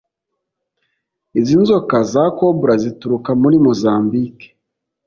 Izi nzoka za Cobra zituruka muri Mozambike